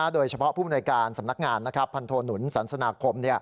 โดยเฉพาะผู้บริการสำนักงานพันธนุณสรรสนาคม